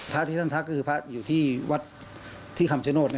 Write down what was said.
พระที่ท่านทักก็คือพระอยู่ที่วัดที่คำชโนธ